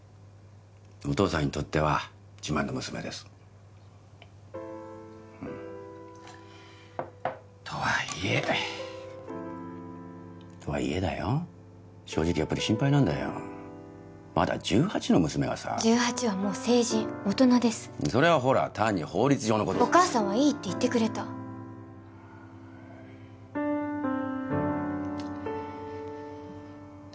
お父さんにとっては自慢の娘ですうんとはいえとはいえだよ正直やっぱり心配なんだよまだ１８の娘がさ１８はもう成人大人ですそれはほら単に法律上のことでお母さんはいいって言ってくれただ